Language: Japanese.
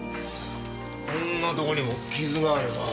こんなとこにも傷があるな。